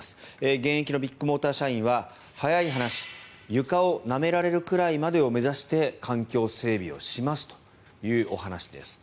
現役のビッグモーター社員は早い話床をなめられるくらいまでを目指して環境整備をしますというお話です。